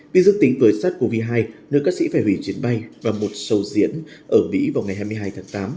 biết dương tính với sars cov hai nơi các sĩ phải hủy chuyến bay và một sầu diễn ở mỹ vào ngày hai mươi hai tháng tám